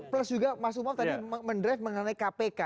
plus juga mas umam tadi mendrive mengenai kpk